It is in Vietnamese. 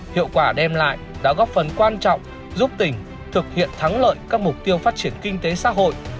hiệu quả đem lại đã góp phần quan trọng giúp tỉnh thực hiện thắng lợi các mục tiêu phát triển kinh tế xã hội